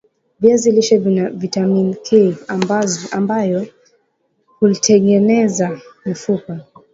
viazi lishe Vina vitamini K ambayo hutengeneza mifupa